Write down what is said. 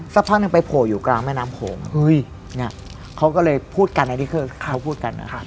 สักพักนึงไปโผล่อยู่กลางแม่น้ำโขงเห้ยเนี่ยเขาก็เลยพูดกันนะที่เค้าพูดกันนะ